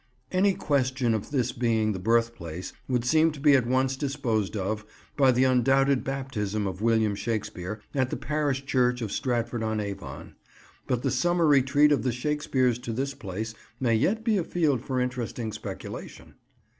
Any question of this being the birthplace would seem to be at once disposed of by the undoubted baptism of William Shakespeare at the parish church of Stratford on Avon; but the summer retreat of the Shakespeares to this place may yet be a field for interesting speculation.